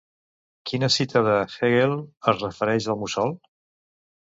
Quina cita de Hegel es refereix al mussol?